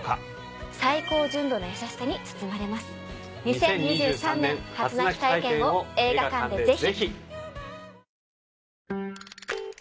２０２３年初泣き体験を映画館でぜひ。